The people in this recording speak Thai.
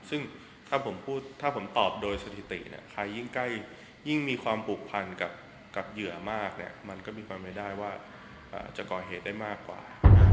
ซึ่งถ้าผมพูดถ้าผมตอบโดยสถิติเนี่ยใครยิ่งมีความผูกพันกับเหยื่อมากเนี่ยมันก็มีความไม่ได้ว่าจะก่อเหตุได้มากกว่า